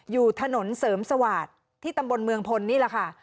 อยู่ถนนเสริมสวาสตร์ที่ตำบลเมืองพลนี่แหละค่ะ